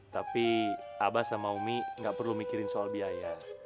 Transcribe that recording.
tapi abah sama umi gak perlu mikirin soal biaya